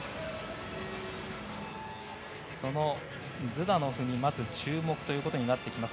そのズダノフにまず注目となってきます。